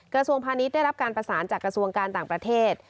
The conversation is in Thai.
กระทรวงพาณิชย์ได้รับการประสานจากกระทรวงการต่างประเทศ